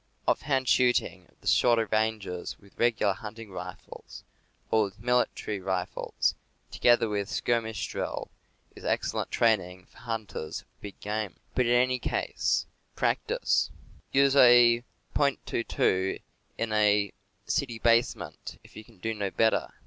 Ofi'hand shooting at the shorter ranges with regular hunting rifles, or with military rifles, together with skirmish drill, is excellent training for hunters of big game. But in any case, practice! Use a .22 in a city base ment, if you can do no better.